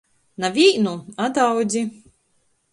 Na vīnu, a daudzi.